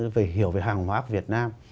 về hàng hóa của việt nam